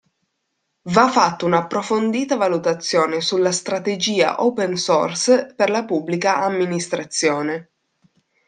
Va fatta un'approfondita valutazione sulla strategia open source per la Pubblica Amministrazione.